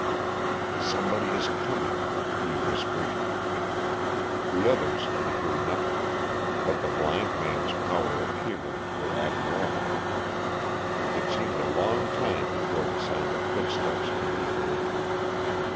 "Somebody is coming," he whispered. The others could hear nothing. But the blind man's powers of hearing were abnormal. It seemed a long time before the sound of footsteps could be heard.